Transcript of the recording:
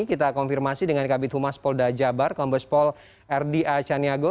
kita konfirmasi dengan kabupaten humas polda jabar kabupaten polda erdi acaniago